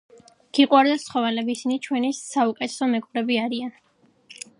გვიყვარდეს ცხოველები, ისინი ჩვენი საულეთესო მეგობრები არიან